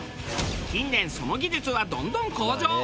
近年その技術はどんどん向上。